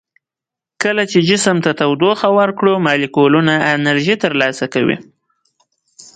کله چې جسم ته تودوخه ورکړو مالیکولونه انرژي تر لاسه کوي.